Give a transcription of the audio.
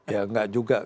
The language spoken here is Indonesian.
ya gak juga